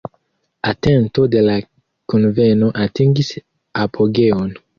Atento de la kunveno atingis apogeon.